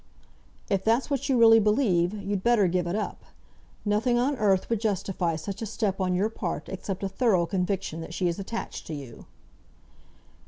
"If that's what you really believe, you'd better give it up. Nothing on earth would justify such a step on your part except a thorough conviction that she is attached to you."